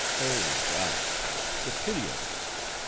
Oh! God! the pity of it!